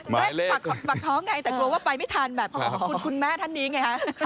ไม่ฝากท้องไงแต่กลัวว่าไปไม่ทันแบบคุณแม่ท่านนี้ไงฮะ